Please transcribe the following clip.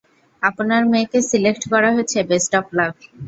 আপনার মেয়েকে সিলেক্ট করা হয়েছে বেস্ট অব লাক!